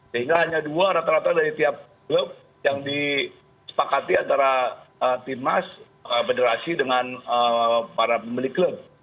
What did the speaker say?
sehingga hanya dua rata rata dari tiap klub yang disepakati antara timnas federasi dengan para pemilik klub